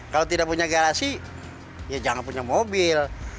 kalau tidak punya garasi ya jangan punya mobil